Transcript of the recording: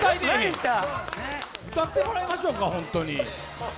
歌ってもらいましょうか、本当に。